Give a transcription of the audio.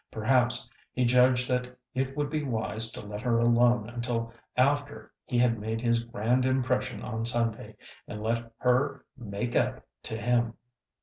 Perhaps he judged that it would be wise to let her alone until after he had made his grand impression on Sunday, and let her "make up" to him.